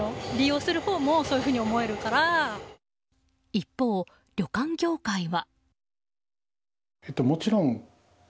一方、旅館業界は。